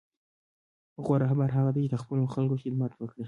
غوره رهبر هغه دی چې د خپلو خلکو خدمت وکړي.